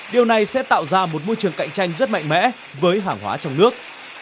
điều này sẽ tạo ra một môi trường cạnh tranh rất mạnh mẽ với hàng hóa trong nước